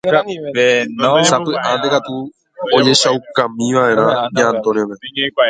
Sapy'ánte katu ojehechaukámiva'erã Ña Antonia-pe.